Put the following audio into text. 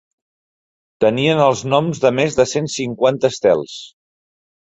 Tenien els noms de més de cent cinquanta estels.